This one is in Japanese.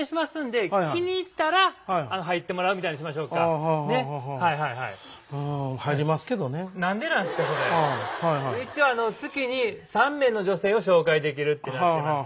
うちは月に３名の女性を紹介できるってなってます。